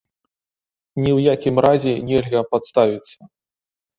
Ні ў якім разе нельга падставіцца.